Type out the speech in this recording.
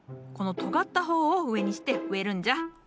このとがった方を上にして植えるんじゃ。